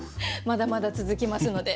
まだまだ続きますので。